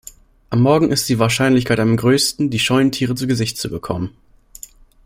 Am Morgen ist die Wahrscheinlichkeit am größten, die scheuen Tiere zu Gesicht zu bekommen.